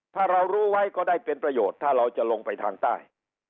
ถ้าเรารู้ไว้ก็ได้เป็นประโยชน์ถ้าเราจะลงไปทางใต้